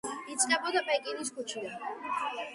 იწყებოდა პეკინის ქუჩიდან.